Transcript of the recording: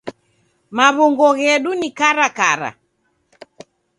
Maw'ungo ghedu ni karakara.